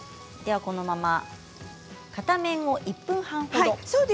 ではこのまま片面を１分半ほど。